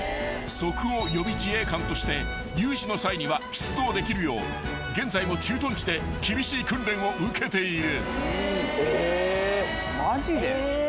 即応予備自衛官として有事の際には出動できるよう現在も駐屯地で厳しい訓練を受けている］